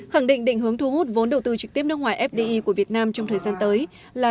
khẳng định định hướng thu hút vốn đầu tư trực tiếp nước ngoài fdi của việt nam trong thời gian tới là